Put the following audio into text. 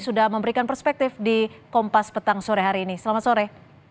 sudah memberikan perspektif di kompas petang sore hari ini selamat sore